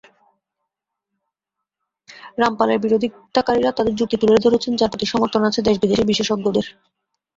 রামপালের বিরোধিতাকারীরা তাঁদের যুক্তি তুলে ধরেছেন, যার প্রতি সমর্থন আছে দেশ-বিদেশের বিশেষজ্ঞদের।